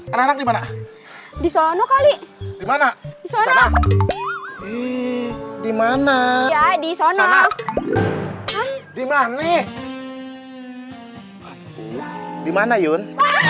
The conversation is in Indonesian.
anak anak di mana di sana kali dimana di mana di mana di sana di mana yun